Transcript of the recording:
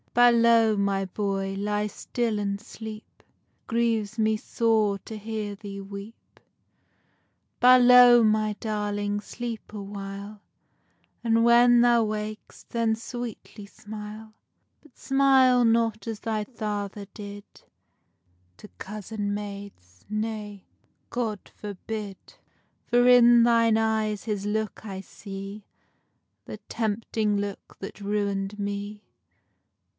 Balow, my boy, ly still and sleep, It grieves me sore to hear thee weep. Balow, my darling, sleep a while, And when thou wak'st then sweetly smile; But smile not as thy father did, To cozen maids, nay, God forbid; For in thine eye his look I see, The tempting look that ruin'd me.